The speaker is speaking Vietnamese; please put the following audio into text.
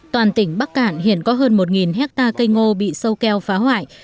toàn tỉnh bắc cạn hiện có hơn một hectare cây ngô bị sâu keo phá hoại